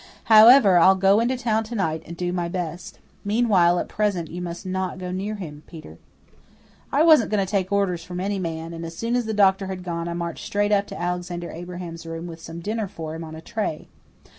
However, I'll go into town to night and do my best. Meanwhile, at present, you must not go near him, Peter." I wasn't going to take orders from any man, and as soon as the doctor had gone I marched straight up to Alexander Abraham's room with some dinner for him on a tray.